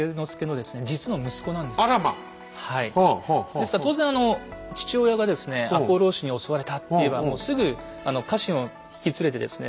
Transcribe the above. ですから当然父親がですね赤穂浪士に襲われたっていえばもうすぐあの家臣を引き連れてですね